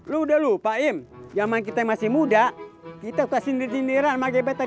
lu udah lupa im zaman kita masih muda kita suka sindir sindiran magetan